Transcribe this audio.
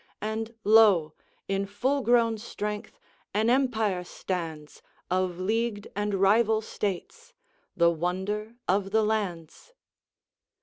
And lo! in full grown strength, an empire stands Of leagued and rival states, the wonder of the lands.